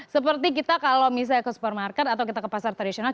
seperti kita kalau misalnya ke supermarket atau kita ke pasar tradisional